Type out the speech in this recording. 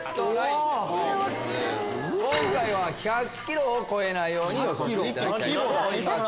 １００ｋｇを超えないように予想していただきたいと思います。